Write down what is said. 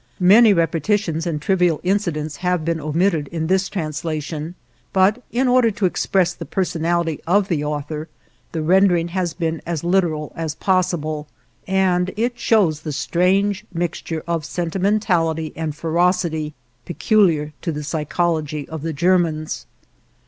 Many repetitions and trivial incidents have been omitted in this translation; but, in order to express the personality of the Author, the rendering has been as literal as possible, and it shows the strange mixture of sentimentality and ferocity peculiar to the psychology of the Germans.